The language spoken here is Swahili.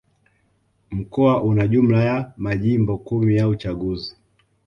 Mkoa una jumla ya Majimbo kumi ya uchaguzi